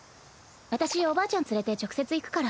私おばあちゃん連れて直接行くから。